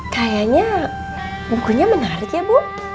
kayaknya bungkunya menarik ya bu